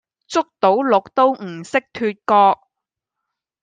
捉到鹿都唔識脫角